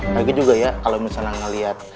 lagi juga ya kalo misalnya ngeliat